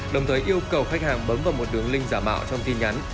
đồng thời yêu cầu khách hàng bấm vào một đường link giả mạo trong tin nhắn